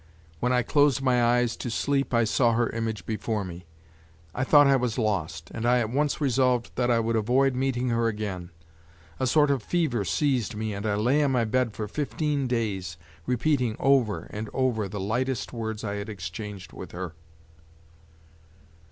When I closed my eyes to sleep I saw her image before me. I thought I was lost, and I at once resolved that I would avoid meeting her again. A sort of fever seized me and I lay on my bed for fifteen days, repeating over and over the lightest words I had exchanged with her.